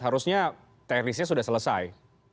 harusnya teknisnya sudah selesai